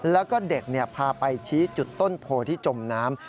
แล้วก็เด็กพาไปชี้จุดต้นโพที่จมน้ำ